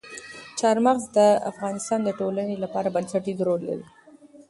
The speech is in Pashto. چار مغز د افغانستان د ټولنې لپاره بنسټيز رول لري.